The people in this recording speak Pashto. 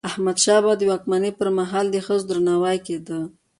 د احمدشاه بابا د واکمني پر مهال د ښځو درناوی کيده.